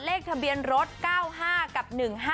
เลขทะเบียนรถ๙๕กับ๑๕๗